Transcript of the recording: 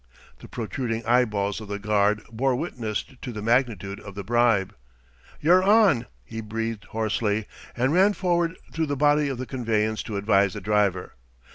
The protruding eyeballs of the guard bore witness to the magnitude of the bribe. "You're on!" he breathed hoarsely, and ran forward through the body of the conveyance to advise the driver.